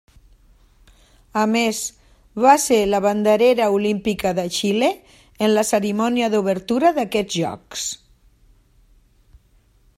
A més, va ser la banderera olímpica de Xile en la cerimònia d'obertura d'aquests Jocs.